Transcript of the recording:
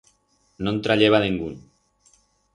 No'n trayeba dengún.